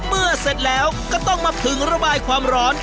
เสร็จแล้วก็ต้องมาผึงระบายความร้อน